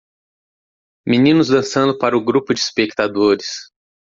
Meninos dançando para o grupo de espectadores.